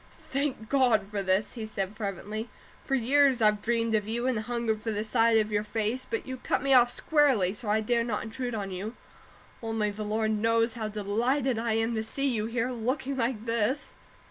"Thank God for this!" he said, fervently. "For years I've dreamed of you and hungered for the sight of your face; but you cut me off squarely, so I dared not intrude on you only the Lord knows how delighted I am to see you here, looking like this."